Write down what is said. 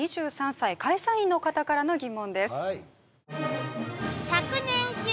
２３歳会社員の方からの疑問です